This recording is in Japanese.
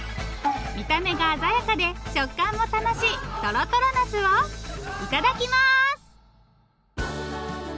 見た目が鮮やかで食感も楽しいとろとろナスをいただきます。